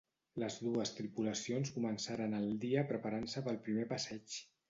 Les dues tripulacions començaren el dia preparant-se pel primer passeig.